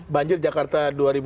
banjir jakarta dua ribu dua puluh